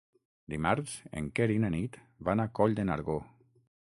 Dimarts en Quer i na Nit van a Coll de Nargó.